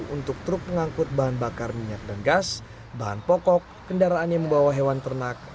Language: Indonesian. untuk truk pengangkut bahan bakar minyak dan gas bahan pokok kendaraan yang membawa hewan ternak